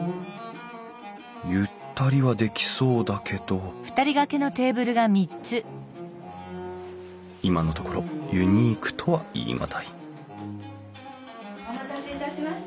ゆったりはできそうだけど今のところユニークとは言い難いお待たせいたしました。